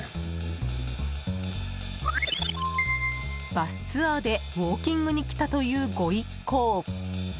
バスツアーで、ウォーキングに来たというご一行。